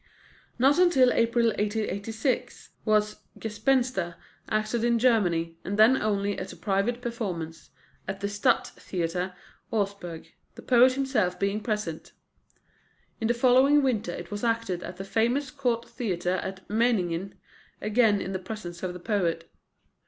Not until April 1886 was Gespenster acted in Germany, and then only at a private performance, at the Stadttheater, Augsburg, the poet himself being present. In the following winter it was acted at the famous Court Theatre at Meiningen, again in the presence of the poet.